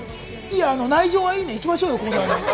内情はいいんで、行きましょうよ！